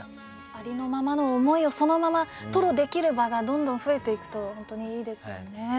ありのままの思いをそのまま吐露できる場がどんどん増えていくと本当にいいですよね。